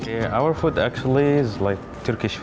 makanan kita sebenarnya seperti makanan turki